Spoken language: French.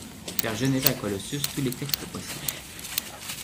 faire générer à Colossus tous les textes possibles